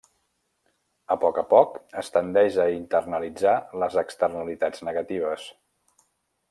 A poc a poc, es tendeix a internalitzar les externalitats negatives.